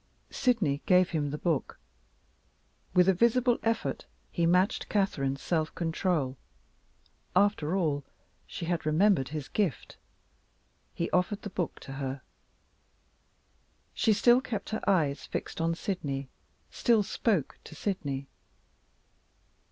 Sydney gave him the book. With a visible effort, he matched Catherine's self control; after all, she had remembered his gift! He offered the book to her. She still kept her eyes fixed on Sydney still spoke to Sydney.